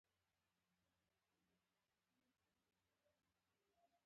زه پرې پوهېږم ته پرې نه پوهیږې.